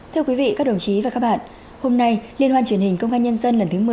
thưa quý vị các đồng chí và các bạn hôm nay liên hoàn truyền hình công an nhân dân lần thứ một mươi